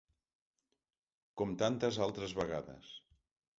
Com tantes altres vegades.